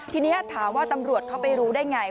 ทีนี้ถามว่าตำรวจเขาไปรู้ได้ไง